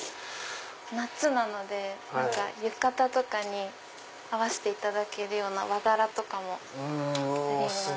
夏なので浴衣とかに合わせていただけるような和柄とかもあります。